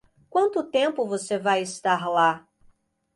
Quanto tempo você vai estar lá?